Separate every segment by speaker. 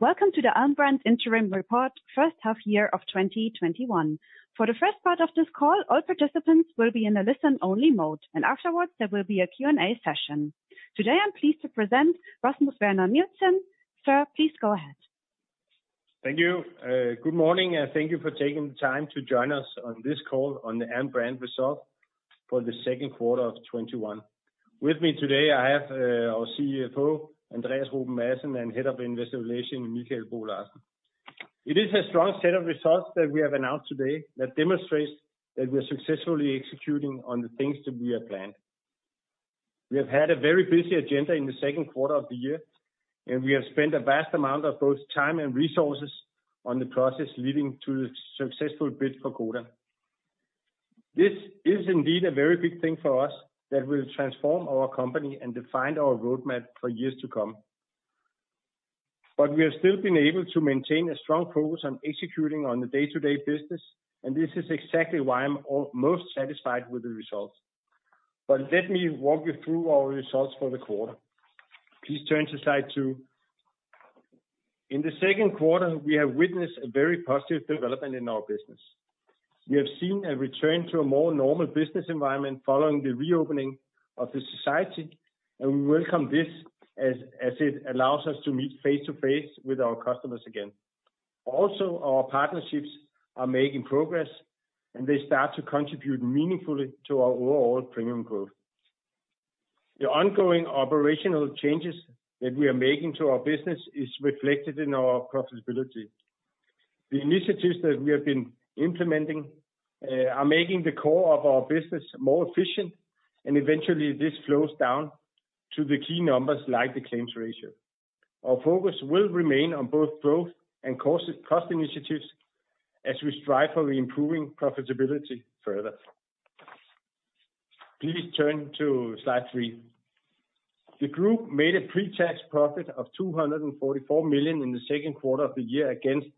Speaker 1: Welcome to the Alm. Brand Interim Report first half year of 2021. For the first part of this call, all participants will be in a listen-only mode. Afterwards there will be a Q&A session. Today, I'm pleased to present Rasmus Werner Nielsen. Sir, please go ahead.
Speaker 2: Thank you. Good morning, thank you for taking the time to join us on this call on the Alm. Brand results for the second quarter of 2021. With me today I have our CFO, Andreas Ruben Madsen, and Head of Investor Relations, Mikael Bo Larsen. It is a strong set of results that we have announced today that demonstrates that we are successfully executing on the things that we have planned. We have had a very busy agenda in the second quarter of the year, and we have spent a vast amount of both time and resources on the process leading to the successful bid for Codan. This is indeed a very big thing for us that will transform our company and define our roadmap for years to come. We have still been able to maintain a strong focus on executing on the day-to-day business, and this is exactly why I'm most satisfied with the results. Let me walk you through our results for the quarter. Please turn to slide two. In the second quarter, we have witnessed a very positive development in our business. We have seen a return to a more normal business environment following the reopening of the society, and we welcome this as it allows us to meet face-to-face with our customers again. Also, our partnerships are making progress, and they start to contribute meaningfully to our overall premium growth. The ongoing operational changes that we are making to our business is reflected in our profitability. The initiatives that we have been implementing are making the core of our business more efficient, and eventually this flows down to the key numbers like the claims ratio. Our focus will remain on both growth and cost initiatives as we strive for improving profitability further. Please turn to slide three. The group made a pre-tax profit of 244 million in the second quarter of the year against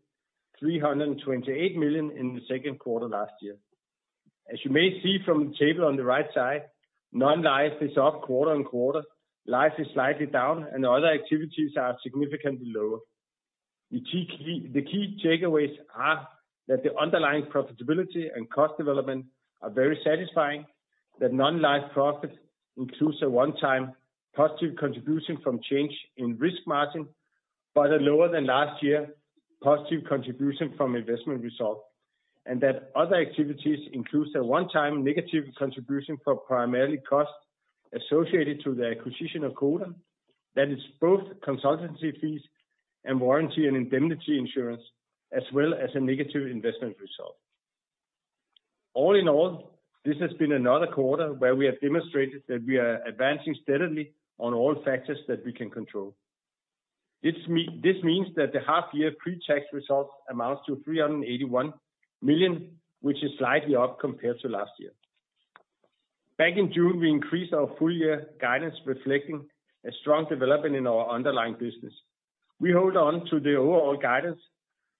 Speaker 2: 328 million in the second quarter last year. As you may see from the table on the right side, non-life is up quarter-on-quarter, life is slightly down, and other activities are significantly lower. The key takeaways are that the underlying profitability and cost development are very satisfying, that non-life profit includes a one-time positive contribution from change in risk margin, but are lower than last year positive contribution from investment result. That other activities includes a one-time negative contribution for primarily costs associated to the acquisition of Codan. That is both consultancy fees and warranty and indemnity insurance, as well as a negative investment result. All in all, this has been another quarter where we have demonstrated that we are advancing steadily on all factors that we can control. This means that the half year pre-tax results amounts to 381 million, which is slightly up compared to last year. Back in June, we increased our full-year guidance reflecting a strong development in our underlying business. We hold on to the overall guidance,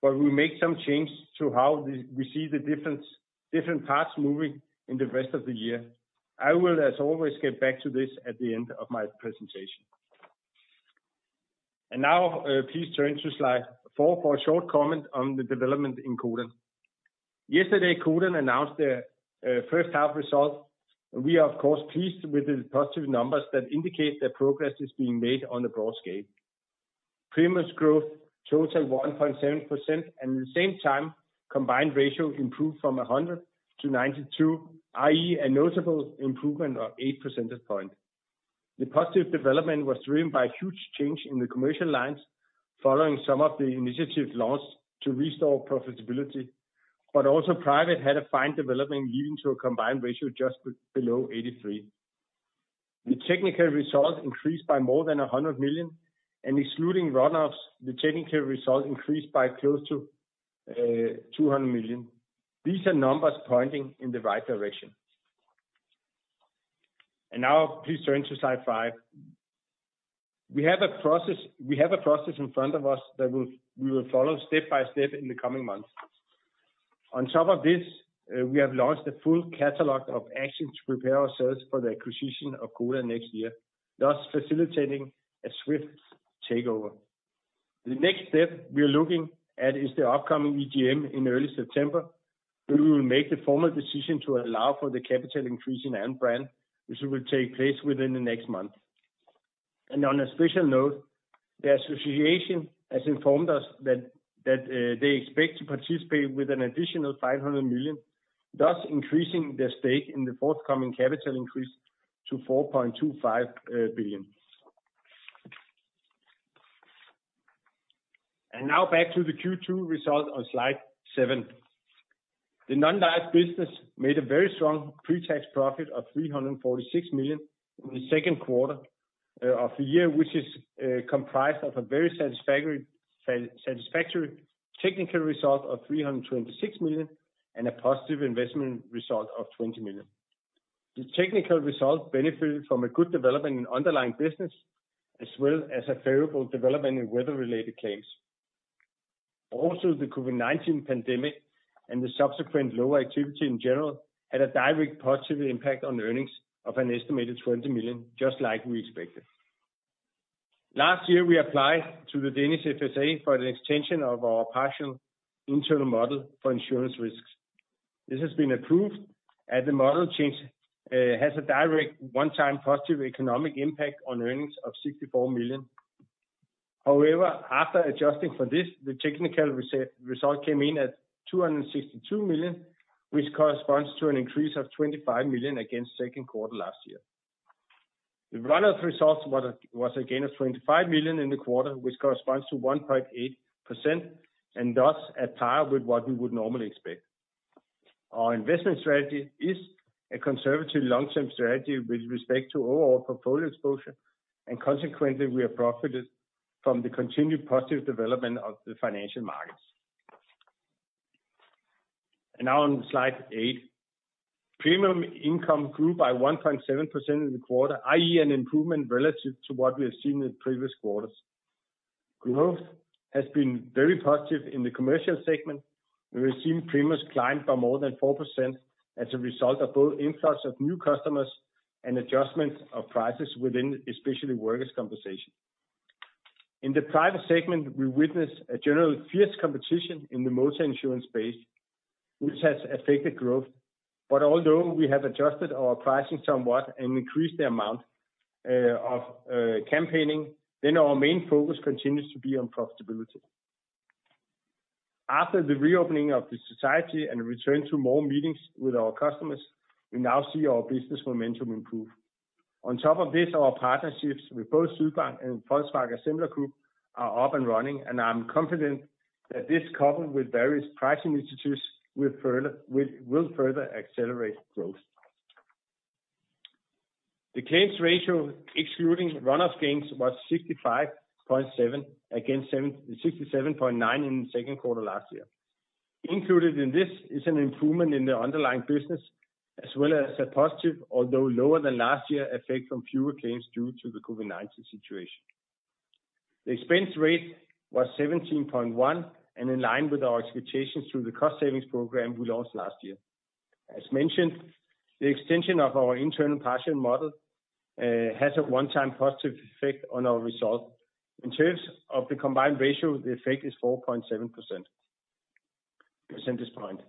Speaker 2: but we make some change to how we see the different parts moving in the rest of the year. I will, as always, get back to this at the end of my presentation. Now, please turn to slide four for a short comment on the development in Codan. Yesterday, Codan announced their first half results, and we are of course pleased with the positive numbers that indicate that progress is being made on a broad scale. Premiums growth total 1.7%, and at the same time, combined ratio improved from 100 to 92, i.e., a notable improvement of 8 percentage point. The positive development was driven by a huge change in the commercial lines following some of the initiative launch to restore profitability, but also private had a fine development leading to a combined ratio just below 83. The technical result increased by more than 100 million, and excluding run-offs, the technical result increased by close to 200 million. These are numbers pointing in the right direction. Now, please turn to slide five. We have a process in front of us that we will follow step by step in the coming months. On top of this, we have launched a full catalog of actions to prepare ourselves for the acquisition of Codan next year, thus facilitating a swift takeover. The next step we are looking at is the upcoming AGM in early September, where we will make the formal decision to allow for the capital increase in Alm. Brand, which will take place within the next month. On a special note, the association has informed us that they expect to participate with an additional 500 million, thus increasing their stake in the forthcoming capital increase to 4.25 billion. Now, back to the Q2 results on slide seven. The non-life business made a very strong pre-tax profit of 346 million in the second quarter of the year, which is comprised of a very satisfactory technical result of 326 million and a positive investment result of 20 million. The technical result benefited from a good development in underlying business as well as a favorable development in weather-related claims. Also, the COVID-19 pandemic and the subsequent lower activity in general had a direct positive impact on earnings of an estimated 20 million, just like we expected. Last year, we applied to the Danish FSA for an extension of our partial internal model for insurance risks. This has been approved, and the model change has a direct one-time positive economic impact on earnings of DKK 64 million. However, after adjusting for this, the technical result came in at 262 million, which corresponds to an increase of 25 million against second quarter last year. The run-off results was again of 25 million in the quarter, which corresponds to 1.8%, thus at par with what we would normally expect. Our investment strategy is a conservative long-term strategy with respect to overall portfolio exposure, consequently, we have profited from the continued positive development of the financial markets. Now, on slide eight. Premium income grew by 1.7% in the quarter, i.e., an improvement relative to what we have seen in previous quarters. Growth has been very positive in the commercial segment. We have seen premiums climb by more than 4% as a result of both influx of new customers and adjustment of prices within especially workers compensation. In the private segment, we witnessed a general fierce competition in the motor insurance space, which has affected growth. Although we have adjusted our pricing somewhat and increased the amount of campaigning, our main focus continues to be on profitability. After the reopening of the society and return to more meetings with our customers, we now see our business momentum improve. On top of this, our partnerships with both Sydbank and Volkswagen Semler Group are up and running, and I'm confident that this, coupled with various pricing initiatives, will further accelerate growth. The claims ratio excluding run-off gains was 65.7% against 67.9% in the second quarter last year. Included in this is an improvement in the underlying business as well as a positive, although lower than last year, effect from fewer claims due to the COVID-19 situation. The expense rate was 17.1% and in line with our expectations through the cost savings program we launched last year. As mentioned, the extension of our internal partial model has a one-time positive effect on our result. In terms of the combined ratio, the effect is 4.7 percentage point.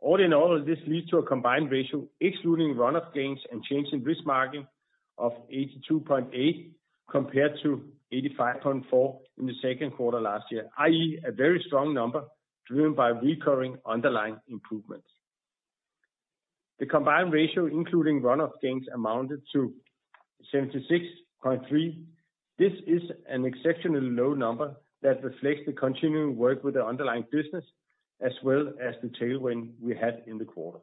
Speaker 2: All in all, this leads to a combined ratio excluding run-off gains and change in risk margin of 82.8% compared to 85.4% in the second quarter last year, i.e., a very strong number driven by recurring underlying improvements. The combined ratio including run-off gains amounted to 76.3%. This is an exceptionally low number that reflects the continuing work with the underlying business as well as the tailwind we had in the quarter.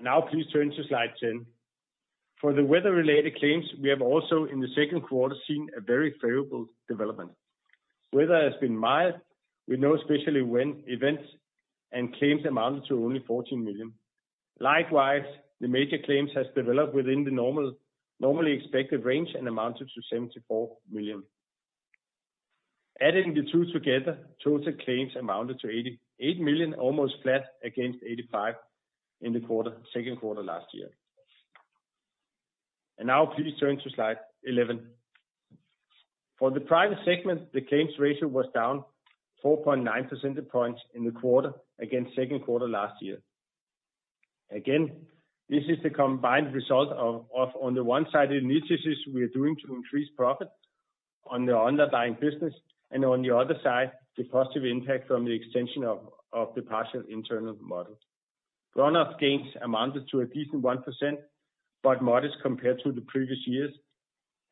Speaker 2: Now, please turn to slide 10. For the weather-related claims, we have also in the second quarter seen a very favorable development. Weather has been mild with no especially wind events and claims amounted to only 14 million. Likewise, the major claims has developed within the normally expected range and amounted to 74 million. Adding the two together, total claims amounted to 88 million, almost flat against 85 in the second quarter last year. Now, please turn to slide 11. For the private segment, the claims ratio was down 4.9 percentage points in the quarter against second quarter last year. Again, this is the combined result of, on the one side, the initiatives we are doing to increase profit on the underlying business, and on the other side, the positive impact from the extension of the partial internal model. Run-off gains amounted to a decent 1%, but modest compared to the previous years.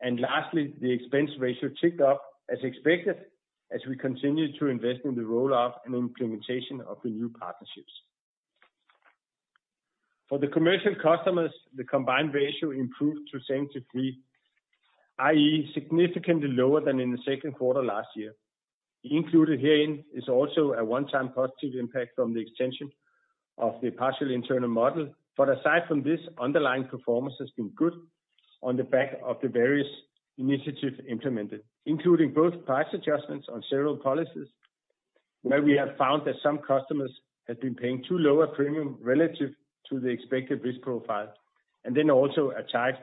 Speaker 2: Lastly, the expense ratio ticked up as expected as we continued to invest in the roll-out and implementation of the new partnerships. For the commercial customers, the combined ratio improved to 73%, i.e., significantly lower than in the second quarter last year. Included herein is also a one-time positive impact from the extension of the partial internal model. Aside from this, underlying performance has been good on the back of the various initiatives implemented, including both price adjustments on several policies, where we have found that some customers had been paying too low a premium relative to the expected risk profile, and also a tight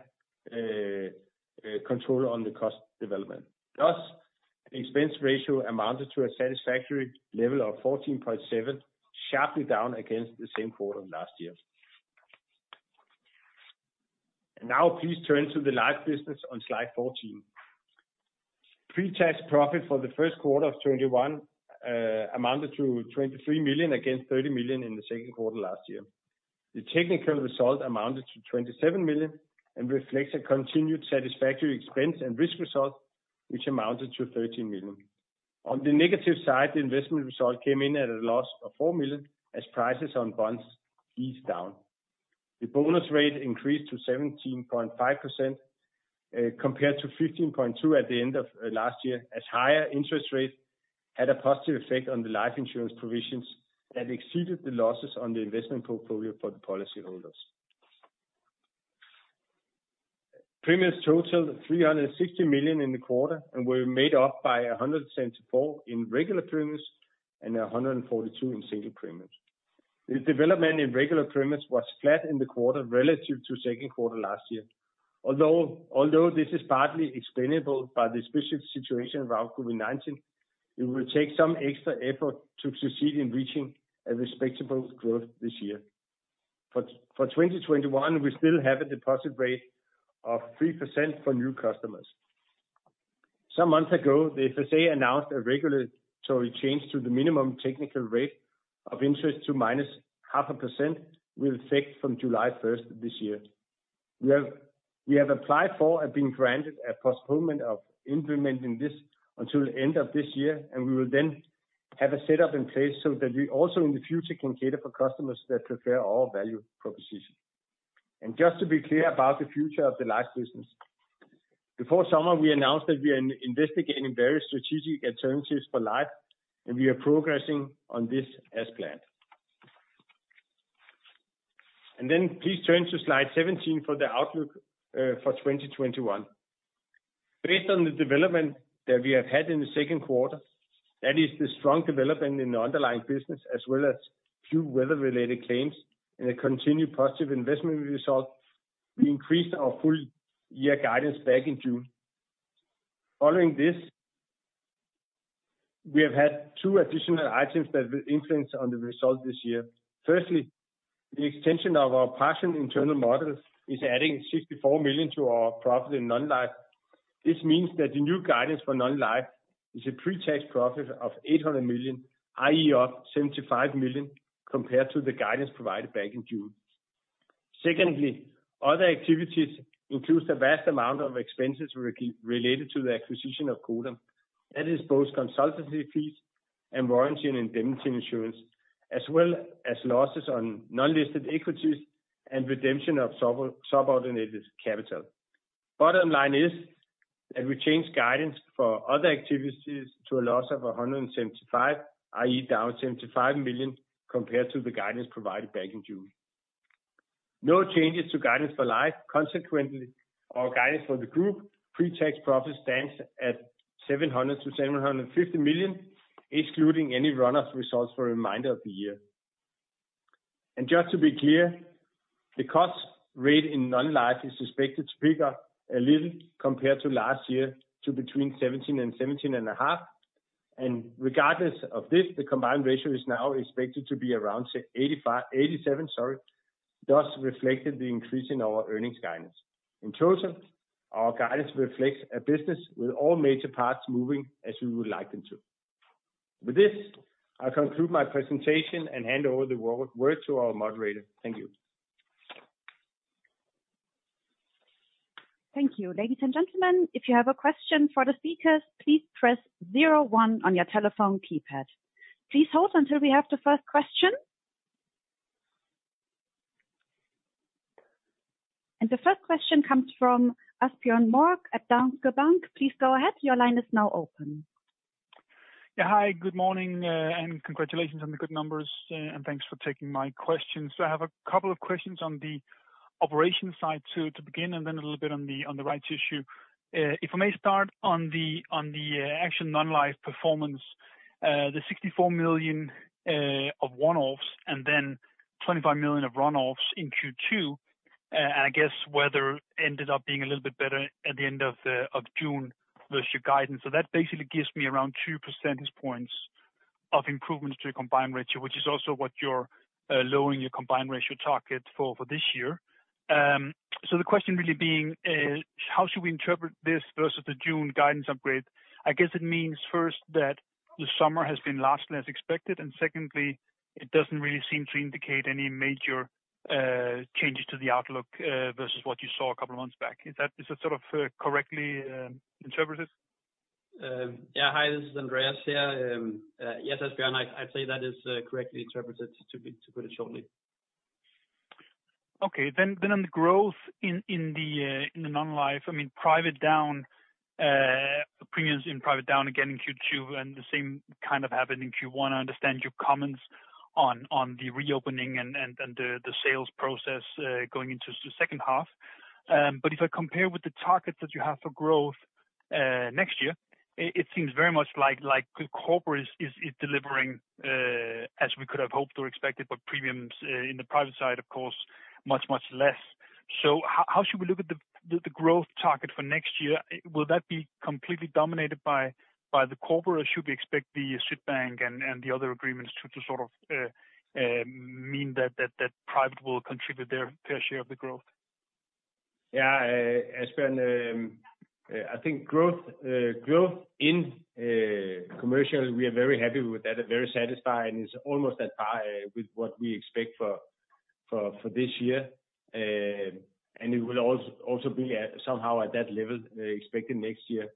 Speaker 2: control on the cost development. The expense ratio amounted to a satisfactory level of 14.7%, sharply down against the same quarter last year. Please turn to the life business on slide 14. Pre-tax profit for the first quarter of 2021 amounted to 23 million against 30 million in the second quarter last year. The technical result amounted to 27 million and reflects a continued satisfactory expense and risk result, which amounted to 13 million. On the negative side, the investment result came in at a loss of 4 million as prices on bonds eased down. The bonus rate increased to 17.5% compared to 15.2% at the end of last year, as higher interest rates had a positive effect on the life insurance provisions that exceeded the losses on the investment portfolio for the policyholders. Premiums totaled 360 million in the quarter and were made up by 174 million in regular premiums and 142 million in single premiums. The development in regular premiums was flat in the quarter relative to the second quarter last year. Although this is partly explainable by the specific situation around COVID-19, it will take some extra effort to succeed in reaching a respectable growth this year. For 2021, we still have a deposit rate of 3% for new customers. Some months ago, the FSA announced a regulatory change to the minimum technical rate of interest to -0.5% will effect from July 1st this year. We have applied for and been granted a postponement of implementing this until end of this year, and we will then have a setup in place so that we also in the future can cater for customers that prefer our value proposition. Just to be clear about the future of the life business. Before summer, we announced that we are investigating various strategic alternatives for life, and we are progressing on this as planned. Please turn to slide 17 for the outlook for 2021. Based on the development that we have had in the second quarter, that is the strong development in the underlying business as well as few weather-related claims and a continued positive investment result. We increased our full year guidance back in June. Following this, we have had two additional items that will influence on the result this year. Firstly, the extension of our partial internal model is adding 64 million to our profit in non-life. This means that the new guidance for non-life is a pre-tax profit of 800 million, i.e., up 75 million compared to the guidance provided back in June. Secondly, other activities includes a vast amount of expenses related to the acquisition of Codan. That is both consultancy fees and warranty and indemnity insurance, as well as losses on non-listed equities and redemption of subordinated capital. Bottom line is that we change guidance for other activities to a loss of 175 million, i.e., down 75 million compared to the guidance provided back in June. No changes to guidance for life. Consequently, our guidance for the group pre-tax profit stands at 700 million-750 million, excluding any run-off results for the remainder of the year. Just to be clear, the cost rate in non-life is suspected to pick up a little compared to last year to between 17% and 17.5%. Regardless of this, the combined ratio is now expected to be around 87%, thus reflecting the increase in our earnings guidance. In total, our guidance reflects a business with all major parts moving as we would like them to. With this, I conclude my presentation and hand over the word to our moderator. Thank you.
Speaker 1: Thank you. Ladies and gentlemen, if you have a question for the speakers, please press zero one on your telephone keypad. Please hold until we have the first question. The first question comes from Asbjørn Mørk at Danske Bank. Please go ahead. Your line is now open.
Speaker 3: Hi, good morning, and congratulations on the good numbers, and thanks for taking my questions. I have a couple of questions on the operations side to begin, and then a little bit on the rights issue. If I may start on the actual non-life performance, the 64 million of one-offs and then 25 million of run-offs in Q2, and I guess weather ended up being a little bit better at the end of June versus your guidance. That basically gives me around 2 percentage points of improvements to your combined ratio, which is also what you're lowering your combined ratio target for this year. The question really being, how should we interpret this versus the June guidance upgrade? I guess it means first that the summer has been [large] as expected, and secondly, it doesn't really seem to indicate any major changes to the outlook versus what you saw a couple of months back. Is that sort of correctly interpreted?
Speaker 4: Hi, this is Andreas here. Yes, Asbjørn, I'd say that is correctly interpreted, to put it shortly.
Speaker 3: Okay. On the growth in the non-life, premiums in private down again in Q2 and the same kind of happened in Q1. I understand your comments on the reopening and the sales process going into the second half. If I compare with the targets that you have for growth next year, it seems very much like corporate is delivering as we could have hoped or expected, but premiums in the private side, of course, much, much less. How should we look at the growth target for next year? Will that be completely dominated by the corporate, or should we expect the Sydbank and the other agreements to sort of mean that private will contribute their fair share of the growth?
Speaker 2: Asbjørn, I think growth in commercials, we are very happy with that, very satisfied, and it's almost at par with what we expect for this year. It will also be somehow at that level expected next year.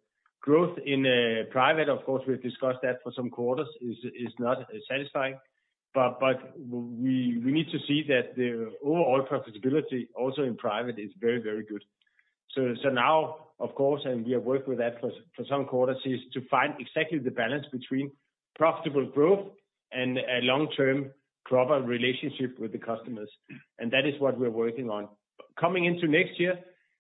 Speaker 2: Growth in private, of course, we've discussed that for some quarters, is not satisfying. We need to see that the overall profitability also in private is very, very good. Now, of course, and we have worked with that for some quarters, is to find exactly the balance between profitable growth and a long-term proper relationship with the customers. That is what we're working on. Coming into next year,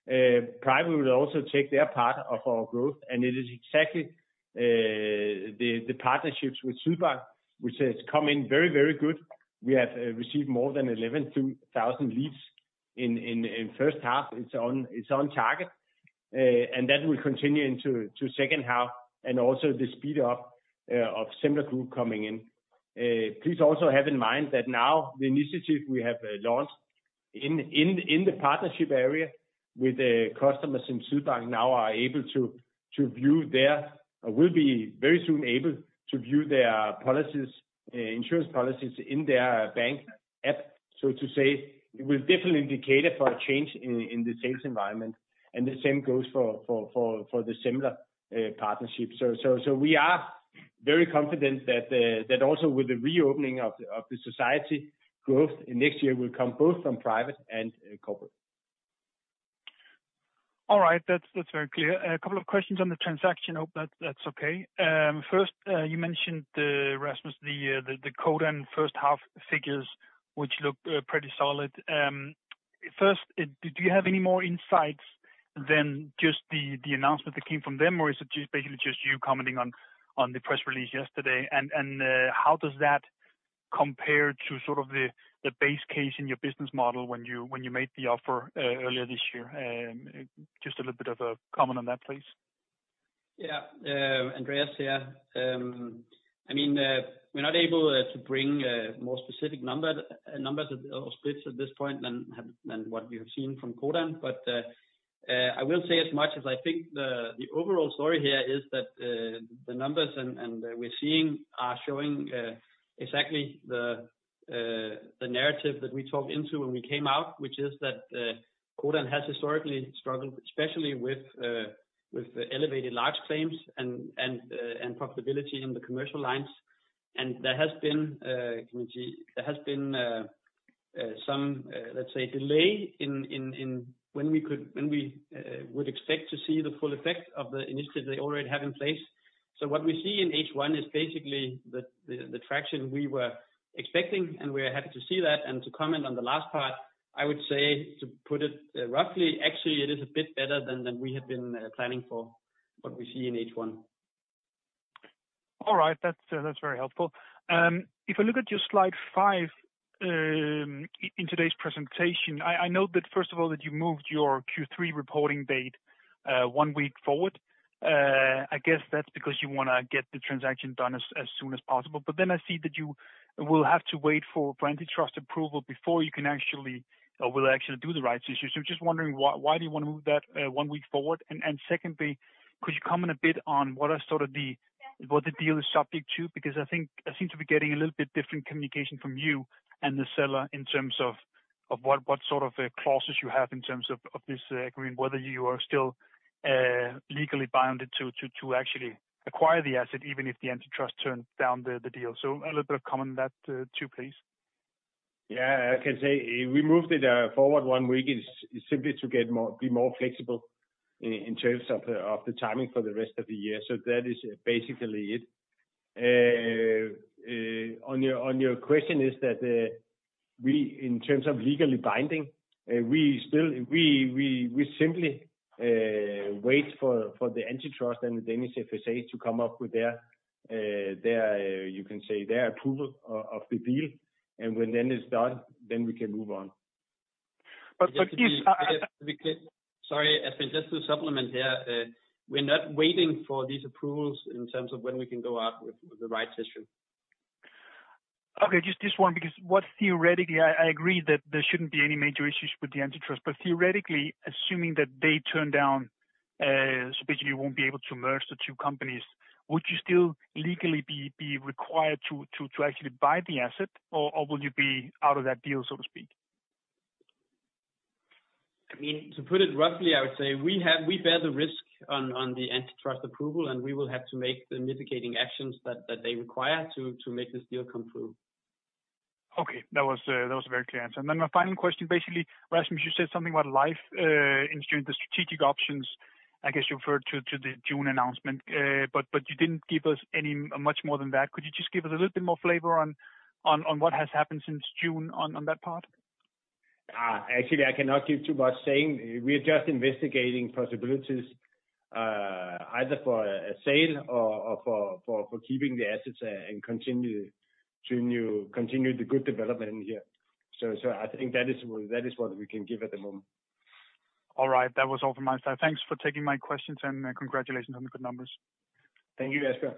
Speaker 2: private will also take their part of our growth, and it is exactly the partnerships with Sydbank, which has come in very, very good. We have received more than 11,000 leads in first half. It's on target. That will continue into second half and also the speed up of Semler Gruppen coming in. Please also have in mind that now the initiative we have launched in the partnership area with the customers in Sydbank will be very soon able to view their insurance policies in their bank app, so to say. It will definitely indicate for a change in the sales environment and the same goes for the Semler partnership. We are very confident that also with the reopening of the society, growth next year will come both from private and corporate.
Speaker 3: All right. That's very clear. A couple of questions on the transaction, hope that's okay. First, you mentioned, Rasmus, the Codan first half figures, which look pretty solid. First, do you have any more insights than just the announcement that came from them, or is it basically just you commenting on the press release yesterday? How does that compare to sort of the base case in your business model when you made the offer earlier this year? Just a little bit of a comment on that, please.
Speaker 4: Andreas here. We're not able to bring a more specific numbers or splits at this point than what we have seen from Codan. I will say as much as I think the overall story here is that the numbers we're seeing are showing exactly the narrative that we talked into when we came out, which is that Codan has historically struggled, especially with elevated large claims and profitability in the commercial lines. There has been some, let's say, delay in when we would expect to see the full effect of the initiatives they already have in place. What we see in H1 is basically the traction we were expecting, and we are happy to see that. To comment on the last part, I would say to put it roughly, actually it is a bit better than we had been planning for what we see in H1.
Speaker 3: All right. That's very helpful. If I look at your slide five in today's presentation, I know that first of all, that you moved your Q3 reporting date one week forward. I guess that's because you want to get the transaction done as soon as possible. I see that you will have to wait for antitrust approval before you can actually do the rights issue. Just wondering why do you want to move that one week forward? Secondly, could you comment a bit on what the deal is subject to? I seem to be getting a little bit different communication from you and the seller in terms of what sort of clauses you have in terms of this agreement, whether you are still legally bounded to actually acquire the asset even if the antitrust turns down the deal. A little bit of comment on that too, please.
Speaker 4: I can say we moved it forward one week is simply to be more flexible in terms of the timing for the rest of the year. That is basically it. On your question, in terms of legally binding, we simply wait for the antitrust and the Danish FSA to come up with their approval of the deal. When that is done, then we can move on.
Speaker 3: But for this-
Speaker 2: Sorry, Asbjørn, just to supplement here. We're not waiting for these approvals in terms of when we can go out with the rights issue.
Speaker 3: Okay, just this one, because theoretically, I agree that there shouldn't be any major issues with the antitrust. Theoretically, assuming that they turn down, so basically you won't be able to merge the two companies. Would you still legally be required to actually buy the asset, or will you be out of that deal, so to speak?
Speaker 4: To put it roughly, I would say we bear the risk on the antitrust approval, and we will have to make the mitigating actions that they require to make this deal come through.
Speaker 3: Okay. That was a very clear answer. My final question, basically, Rasmus, you said something about life insurance, the strategic options, I guess you referred to the June announcement. You didn't give us much more than that. Could you just give us a little bit more flavor on what has happened since June on that part?
Speaker 2: Actually, I cannot give too much saying. We are just investigating possibilities, either for a sale or for keeping the assets and continue the good development in here. I think that is what we can give at the moment.
Speaker 3: All right. That was all from my side. Thanks for taking my questions, and congratulations on the good numbers.
Speaker 2: Thank you, Asbjørn.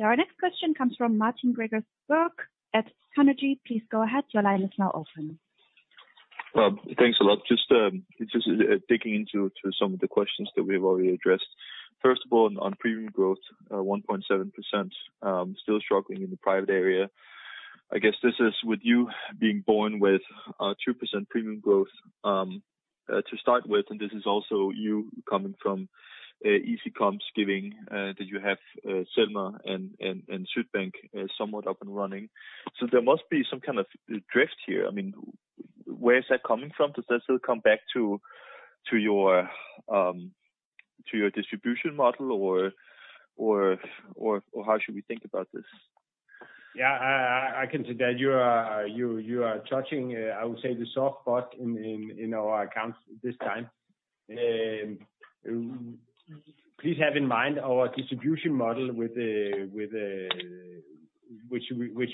Speaker 1: Our next question comes from Martin Gregers Birk at Carnegie. Please go ahead. Your line is now open.
Speaker 5: Well, thanks a lot. Just digging into some of the questions that we've already addressed. First of all, on premium growth, 1.7%, still struggling in the private area. I guess this is with you being born with 2% premium growth, to start with, and this is also you coming from easy comps giving that you have Semler and Sydbank somewhat up and running. There must be some kind of drift here. I mean, where is that coming from? Does that still come back to your distribution model or how should we think about this?
Speaker 2: I can say that you are touching, I would say, the soft spot in our accounts this time. Please have in mind our distribution model which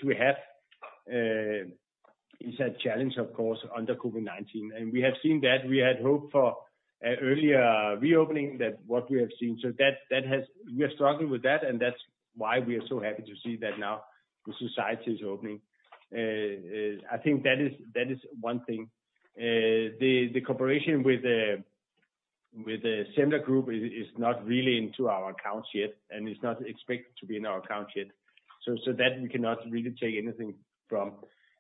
Speaker 2: we have is a challenge, of course, under COVID-19. We have seen that. We had hoped for earlier reopening than what we have seen. We are struggling with that, and that's why we are so happy to see that now the society is opening. I think that is one thing. The cooperation with the Semler Gruppen is not really into our accounts yet, and it's not expected to be in our accounts yet. That we cannot really take anything from.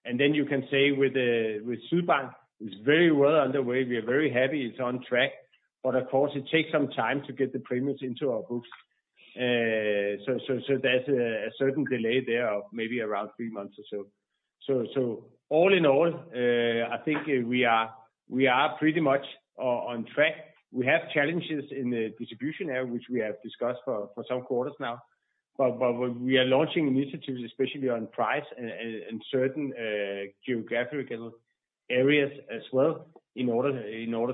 Speaker 2: Then you can say with Sydbank, it's very well underway. We are very happy it's on track, but of course it takes some time to get the premiums into our books. There's a certain delay there of maybe around three months or so. All in all, I think we are pretty much on track. We have challenges in the distribution area, which we have discussed for some quarters now, but we are launching initiatives especially on price and certain geographical areas as well in order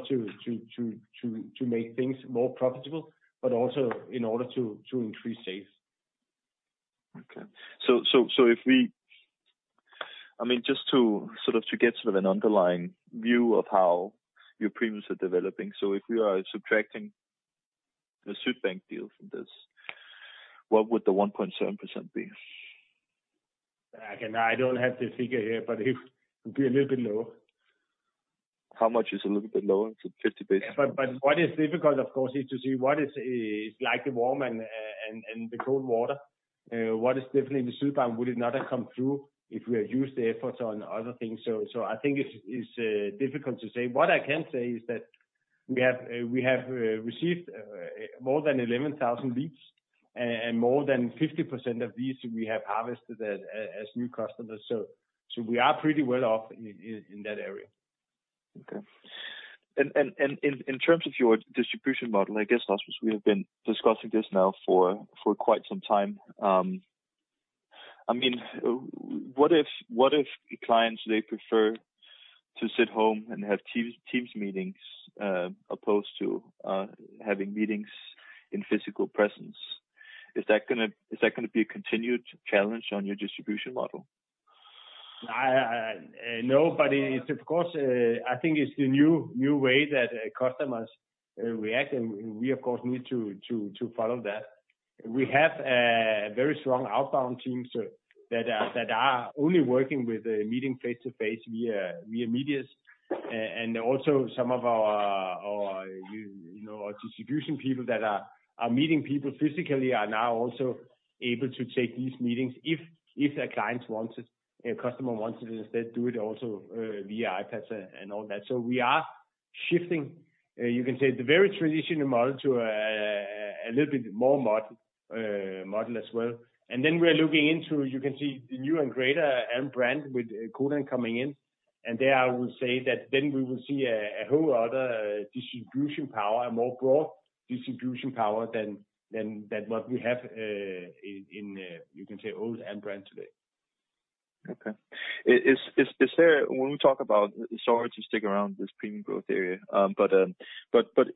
Speaker 2: to make things more profitable, but also in order to increase sales.
Speaker 5: Okay. Just to get sort of an underlying view of how your premiums are developing, if we are subtracting the Sydbank deal from this, what would the 1.7% be?
Speaker 2: I don't have the figure here, but it would be a little bit lower.
Speaker 5: How much is a little bit lower? Is it 50 basis points?
Speaker 2: What is difficult, of course, is to see what is like the warm and the cold water. What is definitely with Sydbank would it not have come through if we had used the efforts on other things? I think it's difficult to say. What I can say is that we have received more than 11,000 leads and more than 50% of these we have harvested as new customers. We are pretty well-off in that area.
Speaker 5: Okay. In terms of your distribution model, I guess, Rasmus, we have been discussing this now for quite some time. What if clients, they prefer to sit home and have Teams meetings opposed to having meetings in physical presence? Is that going to be a continued challenge on your distribution model?
Speaker 2: No, but, of course, I think it's the new way that customers react, and we of course need to follow that. We have very strong outbound teams that are only working with meeting face-to-face via medias. Also some of our distribution people that are meeting people physically are now also able to take these meetings if a client wants it, a customer wants it instead do it also via iPads and all that. We are shifting, you can say, the very traditional model to a little bit more modern model as well. Then we are looking into, you can see the new and greater Alm. Brand with Codan coming in. There, I will say that then we will see a whole other distribution power, a more broad distribution power than what we have in, you can say old Alm. Brand today.
Speaker 5: Okay. When we talk about, sorry to stick around this premium growth area, but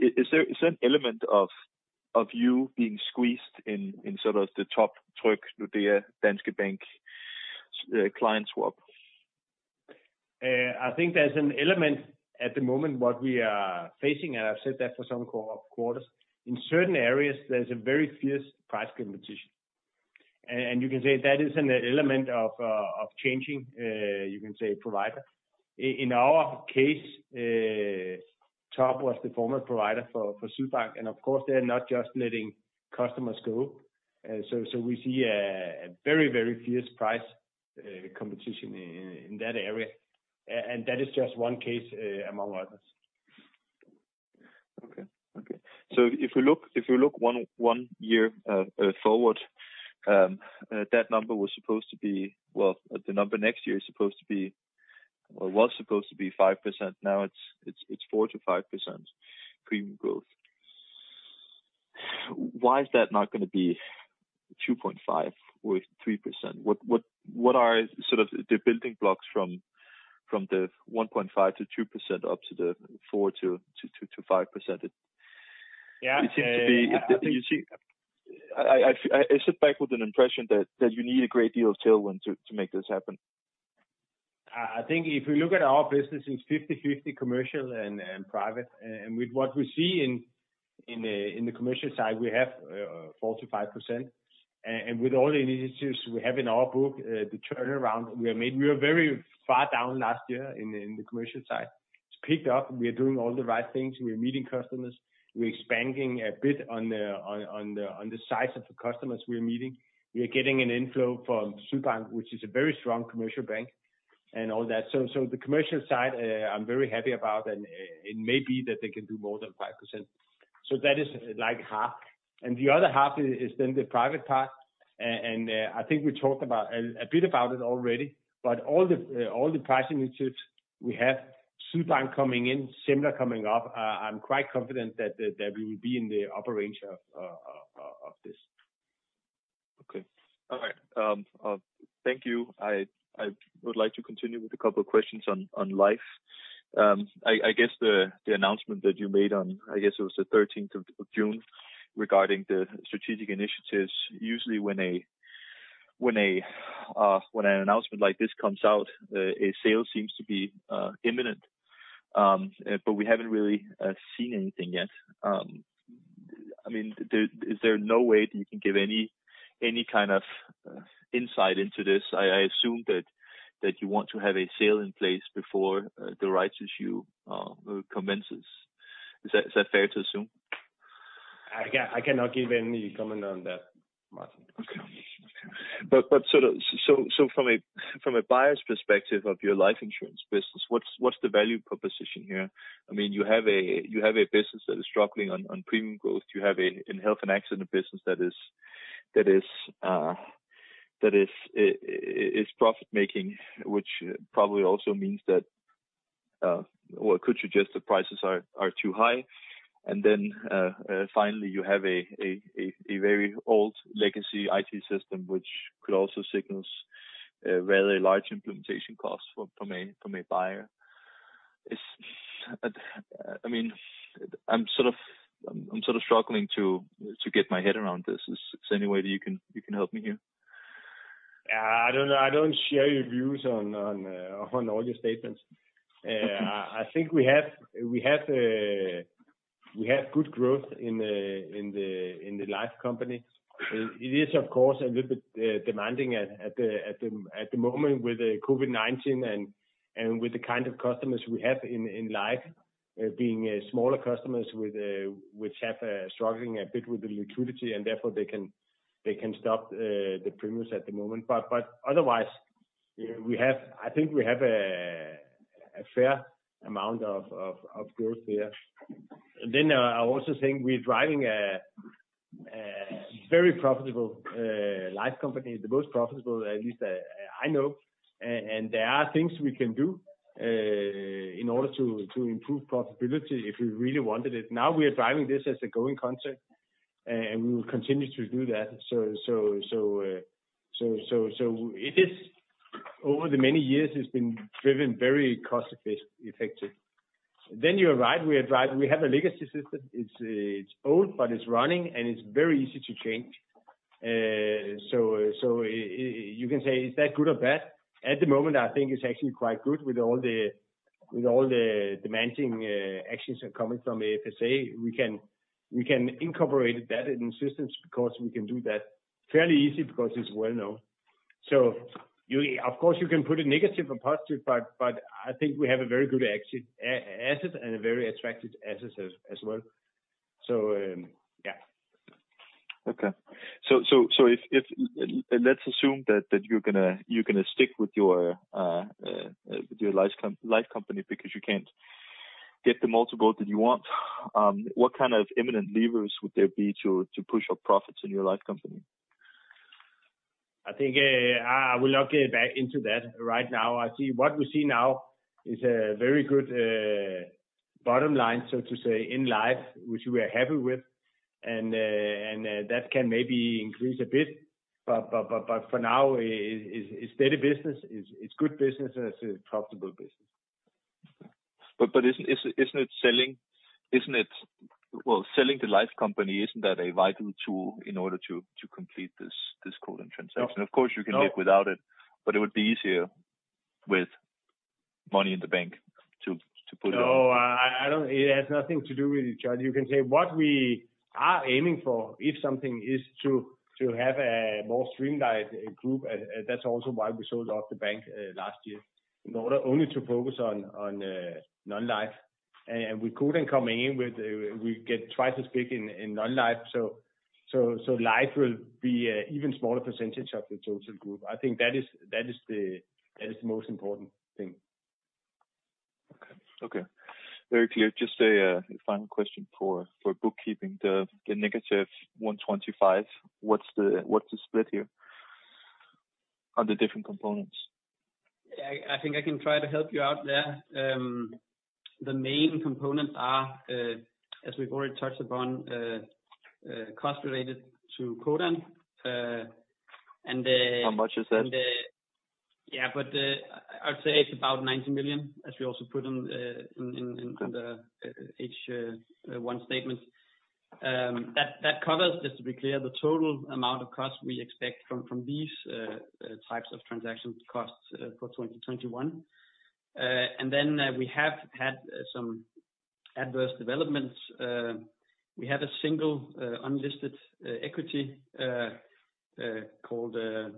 Speaker 5: is there an element of you being squeezed in sort of the Topdanmark, Nordea, Danske Bank client swap?
Speaker 2: I think there's an element at the moment what we are facing, and I've said that for some quarters. In certain areas, there's a very fierce price competition. You can say that is an element of changing provider. In our case, Topdanmark was the former provider for Sydbank, and of course, they're not just letting customers go. We see a very fierce price competition in that area, and that is just one case among others.
Speaker 5: Okay. If we look one year forward, that number was supposed to be—well, the number next year is supposed to be or was supposed to be 5%, now it's 4%-5% premium growth. Why is that not going to be 2.5% or 3%? What are sort of the building blocks from the 1.5%-2% up to the 4%-5%? I sit back with an impression that you need a great deal of tailwind to make this happen.
Speaker 2: I think if you look at our business is 50/50 commercial and private, with what we see in the commercial side, we have 4%-5%. With all the initiatives we have in our book, the turnaround we have made, we were very far down last year in the commercial side. It's picked up. We are doing all the right things. We are meeting customers. We're expanding a bit on the size of the customers we are meeting. We are getting an inflow from Sydbank, which is a very strong commercial bank and all that. The commercial side, I'm very happy about, and it may be that they can do more than 5%. That is half. The other half is the private part. I think we talked a bit about it already, but all the pricing initiatives we have, Sydbank coming in, Semler coming up, I'm quite confident that we will be in the upper range of this.
Speaker 5: Okay. All right. Thank you. I would like to continue with a couple of questions on life. I guess the announcement that you made on, I guess it was the 13th of June, regarding the strategic initiatives, usually when an announcement like this comes out, a sale seems to be imminent. We haven't really seen anything yet. Is there no way that you can give any kind of insight into this? I assume that you want to have a sale in place before the rights issue commences. Is that fair to assume?
Speaker 2: I cannot give any comment on that, Martin.
Speaker 5: Okay. From a buyer's perspective of your life insurance business, what's the value proposition here? You have a business that is struggling on premium growth. You have a health and accident business that is profit-making, which probably also means that or could suggest the prices are too high. Finally, you have a very old legacy IT system, which could also signal rather large implementation costs from a buyer. I'm sort of struggling to get my head around this. Is there any way that you can help me here?
Speaker 2: I don't know. I don't share your views on all your statements. I think we have good growth in the life company. It is of, course, a little bit demanding at the moment with COVID-19 and with the kind of customers we have in life, being smaller customers which are struggling a bit with the liquidity, and therefore they can stop the premiums at the moment. Otherwise, I think we have a fair amount of growth here. I also think we're driving a very profitable life company, the most profitable, at least I know. There are things we can do in order to improve profitability if we really wanted it. Now, we are driving this as a going concern, and we will continue to do that. Over the many years, it's been driven very cost effective. You are right, we have a legacy system. It's old, but it's running, and it's very easy to change. You can say, is that good or bad? At the moment, I think it's actually quite good with all the demanding actions coming from FSA. We can incorporate that in systems, because we can do that fairly easy because it's well known. Of course, you can put a negative or positive, but I think we have a very good asset and a very attractive asset as well.
Speaker 5: Okay. Let's assume that you're going to stick with your life company because you can't get the multiple that you want. What kind of imminent levers would there be to push up profits in your life company?
Speaker 2: I think I will not get back into that right now. What we see now is a very good bottom-line, so to say, in life, which we are happy with, and that can maybe increase a bit. For now, it's steady business. It's good business, and it's a profitable business.
Speaker 5: Selling the life company, isn't that a vital tool in order to complete this Codan transaction?
Speaker 2: No.
Speaker 5: Of course, you can live without it, but it would be easier with money in the bank to pull it off.
Speaker 2: No, it has nothing to do with each other. You can say what we are aiming for, if something, is to have a more streamlined group. That's also why we sold off the bank last year, in order only to focus on non-life. With Codan coming in, we get twice as big in non-life. Life will be an even smaller percentage of the total group. I think that is the most important thing.
Speaker 5: Okay. Very clear. Just a final question for bookkeeping. The -125 million, what's the split here on the different components?
Speaker 4: I think I can try to help you out there. The main components are, as we've already touched upon, cost related to Codan.
Speaker 5: How much is that?
Speaker 4: I'd say it's about 90 million, as we also put in the H1 statement. That covers, just to be clear, the total amount of costs we expect from these types of transaction costs for 2021. We have had some adverse developments. We had a single unlisted equity, called the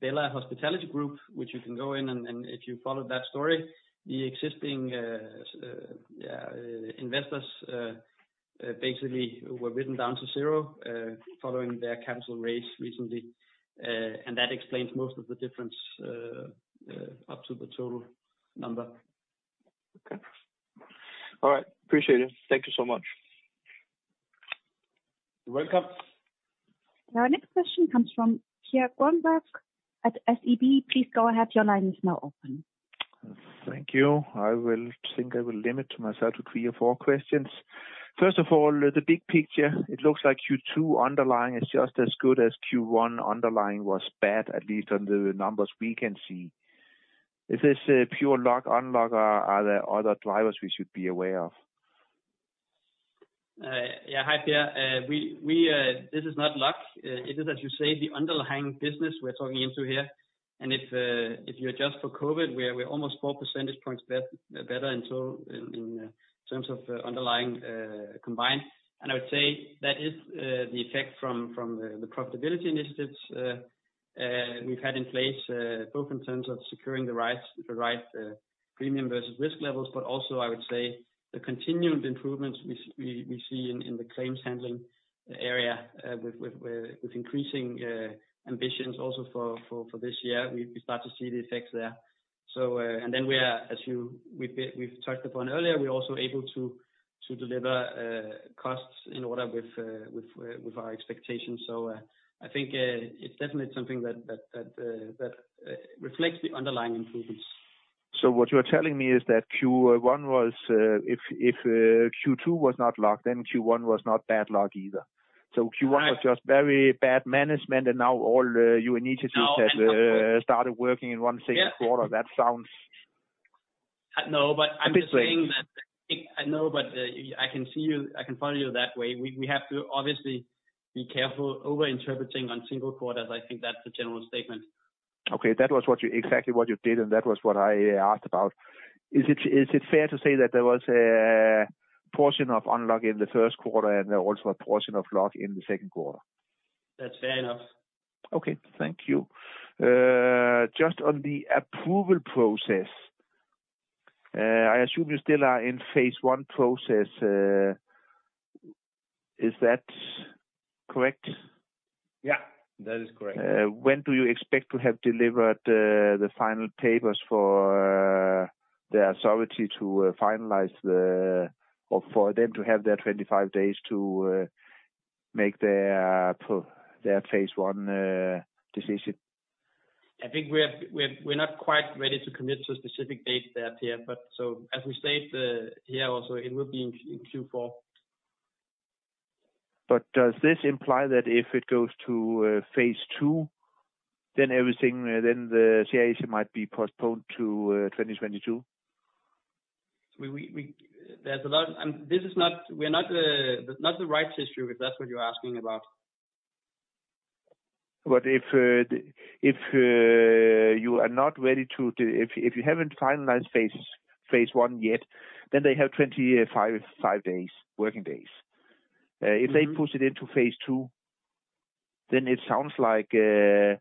Speaker 4: Bella Hospitality Group, which you can go in and if you followed that story, the existing investors basically were written down to zero following their cancel rates recently. That explains most of the difference up to the total number.
Speaker 5: Okay. All right. Appreciate it. Thank you so much.
Speaker 4: You're welcome.
Speaker 1: Our next question comes from Per Grønborg at SEB. Please go ahead. Your line is now open.
Speaker 6: Thank you. I think I will limit myself to three or four questions. First of all, the big picture, it looks like Q2 underlying is just as good as Q1 underlying was bad, at least on the numbers we can see. Is this pure luck, unluck? Are there other drivers we should be aware of?
Speaker 4: Hi, Per. This is not luck. It is, as you say, the underlying business we're talking into here. If you adjust for COVID-19, we're almost 4 percentage points better in terms of underlying combined. I would say that is the effect from the profitability initiatives we've had in place, both in terms of securing the right premium versus risk levels, but also I would say the continued improvements we see in the claims handling area, with increasing ambitions also for this year. We start to see the effects there. As we've touched upon earlier, we're also able to deliver costs in order with our expectations. I think it's definitely something that reflects the underlying improvements.
Speaker 6: What you're telling me is that if Q2 was not luck, then Q1 was not bad luck either.
Speaker 4: Right.
Speaker 6: Q1 was just very bad management, and now all your initiatives-
Speaker 4: No....
Speaker 6: started working in one same quarter. That sounds-
Speaker 4: No, but I'm just saying that-...
Speaker 6: a bit strange.
Speaker 4: I know. I can follow you that way. We have to obviously be careful over-interpreting on single quarters. I think that's a general statement.
Speaker 6: Okay. That was exactly what you did, and that was what I asked about. Is it fair to say that there was a portion of unluck in the first quarter and also a portion of luck in the second quarter?
Speaker 4: That's fair enough.
Speaker 6: Okay. Thank you. Just on the approval process, I assume you still are in Phase I process. Is that correct?
Speaker 2: Yeah. That is correct.
Speaker 6: When do you expect to have delivered the final papers for the authority for them to have their 25 days to make their Phase I decision?
Speaker 2: I think we're not quite ready to commit to a specific date there, Per. As we state here also, it will be in Q4.
Speaker 6: Does this imply that if it goes to Phase II, then the [rights issue] might be postponed to 2022?
Speaker 2: We're not the rights issue, if that's what you're asking about.
Speaker 6: If you haven't finalized Phase I yet, then they have 25 working days. If they push it into Phase II, then it sounds like it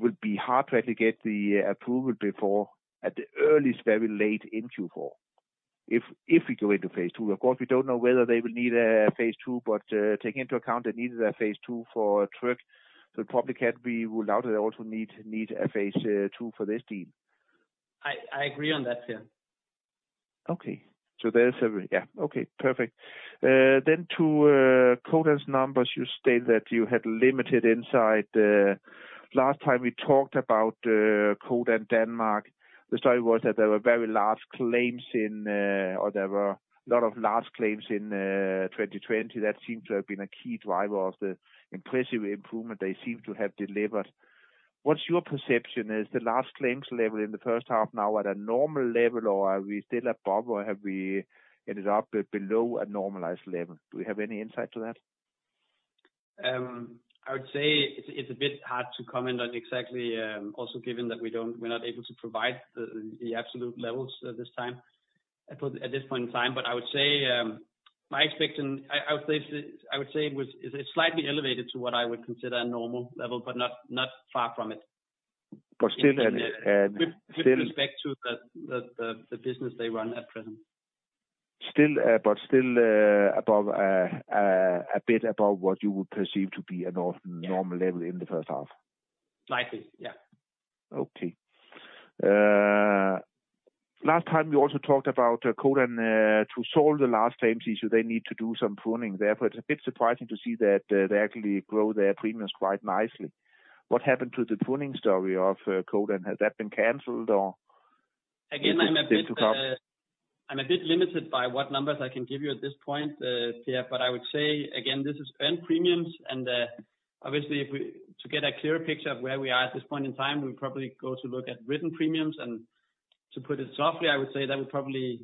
Speaker 6: would be hard to actually get the approval before, at the earliest, very late in Q4. If we go into Phase II. Of course, we don't know whether they will need a Phase II, but taking into account they needed a Phase II for Tryg, so it probably can be ruled out they also need a Phase II for this deal.
Speaker 2: I agree on that, Per.
Speaker 6: Okay, perfect. To Codan's numbers, you state that you had limited insight. Last time we talked about Codan Denmark, the story was that there were a lot of large claims in 2020. That seems to have been a key driver of the impressive improvement they seem to have delivered. What's your perception? Is the large claims level in the first half now at a normal level, or are we still above, or have we ended up below a normalized level? Do you have any insight to that?
Speaker 4: I would say it's a bit hard to comment on exactly, also given that we're not able to provide the absolute levels at this point in time. I would say it's slightly elevated to what I would consider a normal level, but not far from it.
Speaker 6: But still-
Speaker 4: With respect to the business they run at present.
Speaker 6: Still a bit above what you would perceive to be a normal level in the first half.
Speaker 4: Likely. Yeah.
Speaker 6: Okay. Last time we also talked about Codan, to solve the large claims issue, they need to do some pruning there. It's a bit surprising to see that they actually grow their premiums quite nicely. What happened to the pruning story of Codan? Has that been canceled, or is it still to come?
Speaker 4: I'm a bit limited by what numbers I can give you at this point, Per. I would say, again, this is earned premiums, obviously to get a clear picture of where we are at this point in time, we'll probably go to look at written premiums. To put it softly, I would say that would probably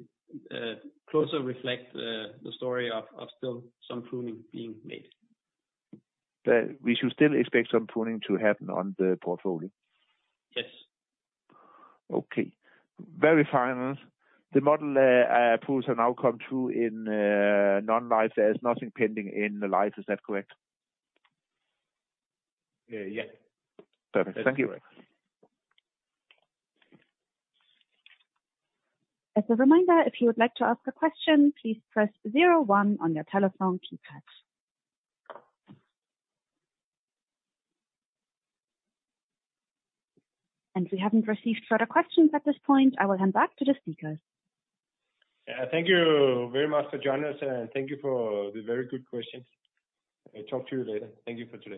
Speaker 4: closer reflect the story of still some pruning being made.
Speaker 6: We should still expect some pruning to happen on the portfolio.
Speaker 4: Yes.
Speaker 6: Okay. Very final. The model approvals have now come through in non-life. There is nothing pending in the life. Is that correct?
Speaker 2: Yeah.
Speaker 6: Perfect. Thank you.
Speaker 1: As a reminder, if you would like to ask a question, please press zero one on your telephone keypad. We haven't received further questions at this point. I will hand back to the speakers.
Speaker 2: Thank you very much for joining us, and thank you for the very good questions. I'll talk to you later. Thank you for today.